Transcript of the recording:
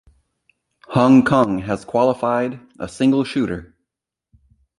Hong Kong has qualified a single shooter.